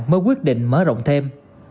mới quyết định mở rộng thêm